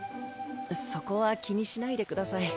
そこは気にしないでください。